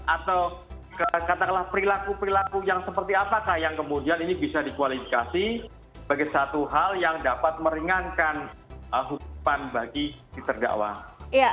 atau katakanlah perilaku perilaku yang seperti apakah yang kemudian ini bisa dikualifikasi sebagai satu hal yang dapat meringankan hukuman bagi si terdakwa